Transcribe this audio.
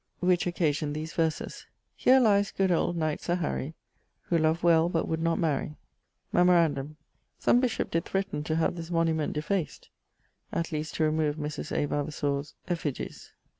Which occasioned these verses: Here lies good old knight Sir Harry, Who loved well, but would not marry.... Memorandum: some bishop did threaten to have this monument defaced (at least to remove Mris. A. Vavasour's effigies).